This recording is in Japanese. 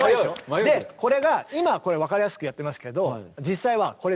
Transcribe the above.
これが今これ分かりやすくやってますけど実際はこれです。